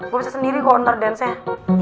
gue bisa sendiri gue ntar dance nya